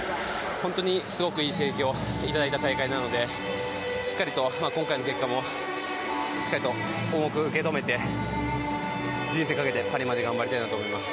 本当にすごくいい刺激をいただいた大会なので今回の結果もしっかりと重く受け止めて人生をかけてパリまで頑張りたいなと思います。